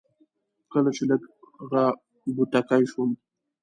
کله چې لږ را بوتکی شوم.